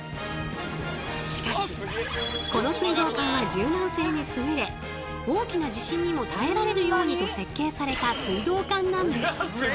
しかしこの水道管は柔軟性に優れ大きな地震にも耐えられるようにと設計された水道管なんです。